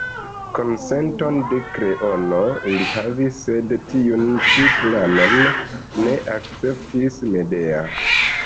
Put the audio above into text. Konsenton de Kreono li havis, sed tiun ĉi planon ne akceptis Medea.